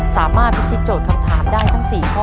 สามารถพิธีโจทย์คำถามได้ทั้ง๔ข้อ